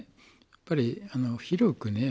やっぱり広くね